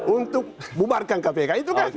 untuk membuarkan kpk